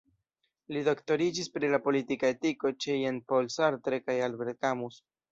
Li doktoriĝis pri la politika etiko ĉe Jean-Paul Sartre kaj Albert Camus.